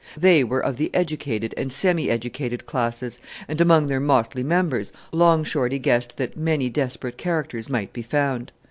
They were of the educated and semi educated classes; and among their motley members Long Shorty guessed that many desperate characters might be found.